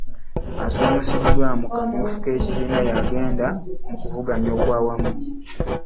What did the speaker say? Asumusiddwa mu kamyufu k'ekibiina yagenda mu kuvuganya okwawamu.